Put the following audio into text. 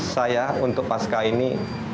saya untuk pascah ini